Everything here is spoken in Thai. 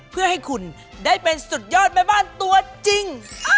เพื่อให้คุณได้เป็นสุดยอดแม่บ้านตัวจริง